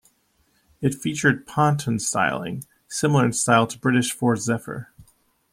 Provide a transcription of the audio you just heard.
It featured ponton styling, similar in style to British Ford Zephyr.